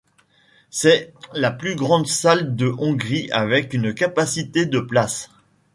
C'est la plus grande salle de Hongrie avec une capacité de places.